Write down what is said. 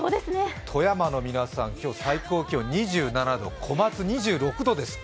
富山の皆さん、今日、最高気温２７度、小松２６度ですって。